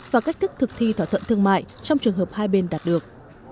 và cách thức thực thi thỏa thuận thương mại trong trường hợp hai bên đạt được